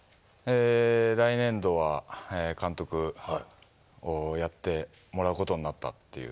来年度は監督をやってもらうことになったっていう。